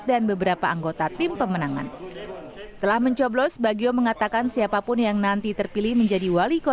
dan beberapa anggota tim pemenangan telah mencoblos bagi mengatakan siapapun yang nanti terpilih menjadi